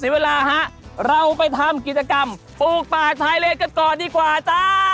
เวลาฮะเราไปทำกิจกรรมปลูกป่าชายเลนกันก่อนดีกว่าจ้า